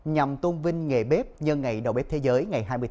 nhằm tôn vinh nghề bếp nhân ngày đầu bếp thế giới